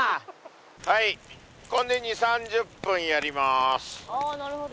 はいこれで２０３０分やります。